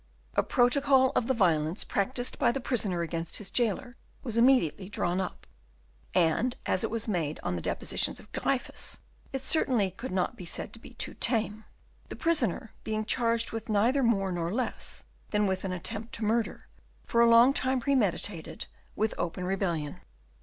A protocol of the violence practiced by the prisoner against his jailer was immediately drawn up, and as it was made on the depositions of Gryphus, it certainly could not be said to be too tame; the prisoner being charged with neither more nor less than with an attempt to murder, for a long time premeditated, with open rebellion.